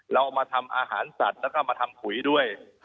เอามาทำอาหารสัตว์แล้วก็มาทำปุ๋ยด้วย